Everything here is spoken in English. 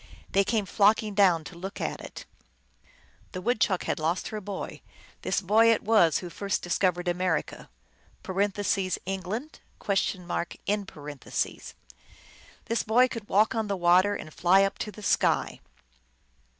They came flocking down to look at it. The Woodchuck had lost her boy. This boy it was who first discovered America (England ?). This boy could walk on the water and fly up to the sky.